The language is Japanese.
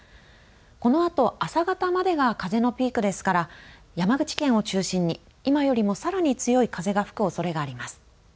このあと朝方までが風のピークですから山口県を中心に今よりもさらに強い風が吹くおそれがあります。